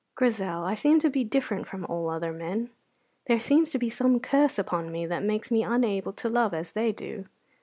"Grizel, I seem to be different from all other men. There seems to be some curse upon me that makes me unable to love as they do.